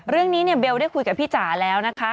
เรื่องนี้เนี่ยเบลได้คุยกับพี่จ๋าแล้วนะคะ